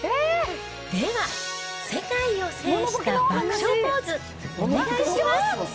では、世界を制した爆笑ポーズ、お願いします！